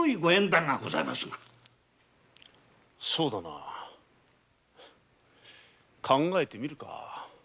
そうだな考えてみるか。